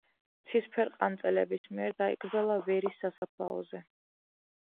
ცისფერყანწელების მიერ დაიკრძალა ვერის სასაფლაოზე.